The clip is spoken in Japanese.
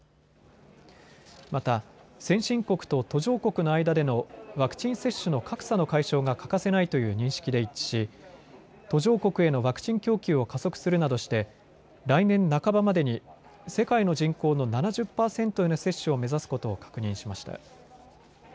また先進国と途上国の間でのワクチン接種の格差の解消が欠かせないという認識で一致し、途上国へのワクチン供給を加速するなどして来年半ばまでに世界の人口の７０％への接種を目指すことを確認しました。